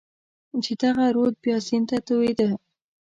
چې دغه رود بیا سیند ته توېېده.